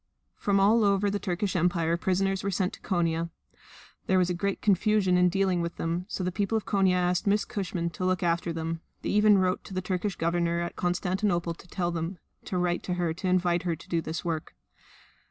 From all over the Turkish Empire prisoners were sent to Konia. There was great confusion in dealing with them, so the people of Konia asked Miss Cushman to look after them; they even wrote to the Turkish Government at Constantinople to tell them to write to her to invite her to do this work.